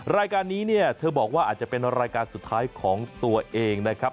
รายการนี้เนี่ยเธอบอกว่าอาจจะเป็นรายการสุดท้ายของตัวเองนะครับ